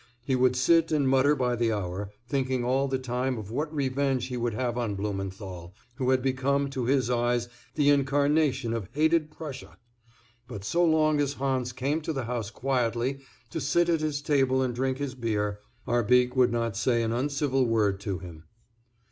He would sit and mutter by the hour, thinking all the time of what revenge he could have on Blumenthal, who had become to his eyes the incarnation of hated Prussia. But so long as Hans came to the house quietly to sit at his table and drink his beer Arbique would not say an uncivil word to him.